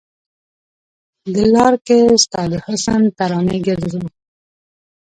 د لار کې ستا د حسن ترانې ګرځو